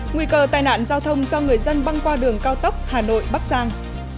nguy cơ tai nạn giao thông do người dân băng qua đường cao tốc hà nội bắc giang